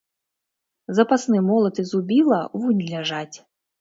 Запасны молат і зубіла вунь ляжаць.